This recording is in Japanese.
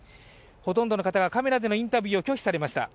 ほとんどの方がカメラでのインタビューを拒否されました。